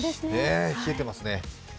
冷えてますね。